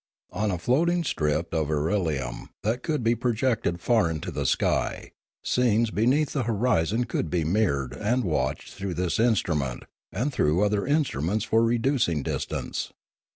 On a floating strip of ire lium, that could be projected far into the sky, scenes beneath the horizon could be mirrored and watched through this instrument and through other instruments for reducing distance.